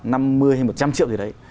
năm mươi hay một trăm linh triệu gì đấy